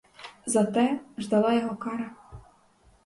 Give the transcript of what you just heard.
За те ждала його кара.